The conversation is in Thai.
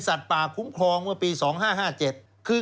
เพราะฉะนั้นคุณมิ้นท์พูดเนี่ยตรงเป้งเลย